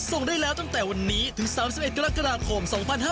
ส่งได้แล้วตั้งแต่วันนี้ถึง๓๑กรกฎาคม๒๕๕๙